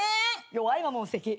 弱いママもすてき。